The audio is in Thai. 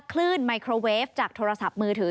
ไมโครเวฟจากโทรศัพท์มือถือ